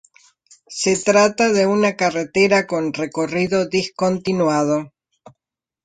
Se trata de una carretera con recorrido discontinuado.